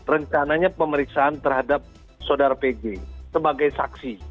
rencananya pemeriksaan terhadap saudara pg sebagai saksi